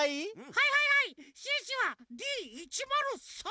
はいはいはいシュッシュはＤ１０３！